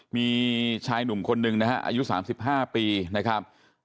มีชายหนุ่มคนหนึ่งนะฮะอายุ๓๕ปีนะครับ